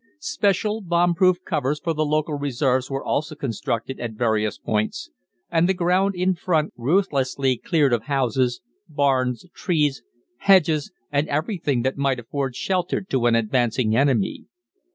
Special bomb proof covers for the local reserves were also constructed at various points, and the ground in front ruthlessly cleared of houses, barns, trees, hedges, and everything that might afford shelter to an advancing enemy.